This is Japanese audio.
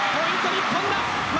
日本だ。